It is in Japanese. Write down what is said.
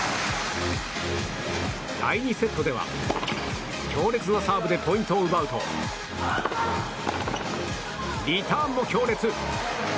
第２セットでは強烈なサーブでポイントを奪うとリターンも強烈。